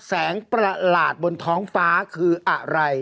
ประหลาดบนท้องฟ้าคืออะไร